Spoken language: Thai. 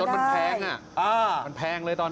มันแพงอ่ะมันแพงเลยตอนนั้น